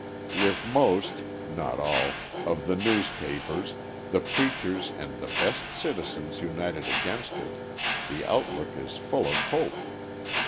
With most (not all) of the newspapers, the preachers and the best citizens united against it, the outlook is full of hope.